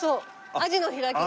アジの開き。